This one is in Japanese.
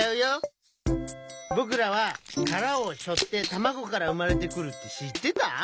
ぼくらはからをしょってたまごからうまれてくるってしってた？